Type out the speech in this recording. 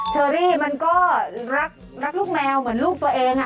เชอรี่มันก็รักลูกแมวเหมือนลูกตัวเอง